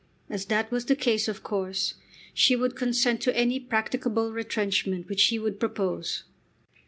As that was the case, of course she would consent to any practicable retrenchment which he would propose.